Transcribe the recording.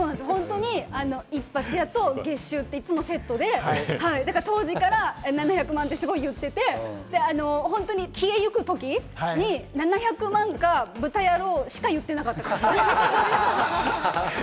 一発屋と月収でいつもセットで、当時から７００万と言っていて、本当に消えゆくときに、７００万が「豚野郎！」しか言っていなかった。